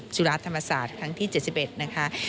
จุฬาธรรมศาสตร์ครั้งที่๗๑นะคะ